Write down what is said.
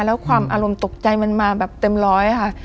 แล้วความอารมณ์ตกใจมันมาแบบเต็มร้อยค่ะ